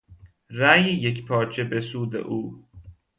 رای یکپارچه به سود او